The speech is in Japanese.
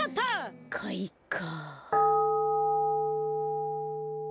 かいか。